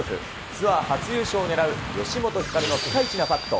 ツアー初優勝を狙う吉本ひかるのピカイチなパット。